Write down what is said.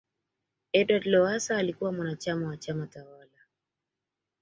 edward Lowasa alikuwa mwanachama wa chama tawala